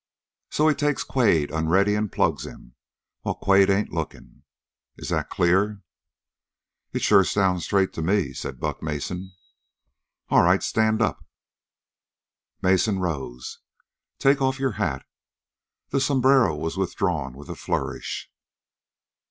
So he takes Quade unready and plugs him, while Quade ain't looking. Is that clear?" "It sure sounds straight to me," said Buck Mason. "All right! Stand up." Mason rose. "Take off your hat." The sombrero was withdrawn with a flourish.